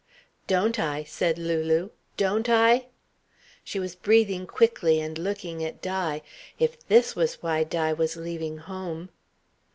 "Don't I?" said Lulu. "Don't I?" She was breathing quickly and looking at Di. If this was why Di was leaving home....